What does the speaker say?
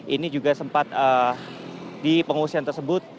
ini juga sempat di pengungsian tersebut